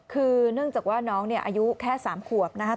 คือเนื่องจากว่าน้องเนี่ยอายุแค่๓ขวบนะครับ